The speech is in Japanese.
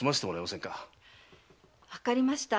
わかりました。